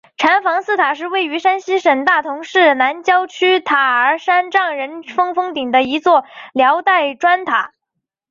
禅房寺塔是位于山西省大同市南郊区塔儿山丈人峰峰顶的一座辽代砖塔。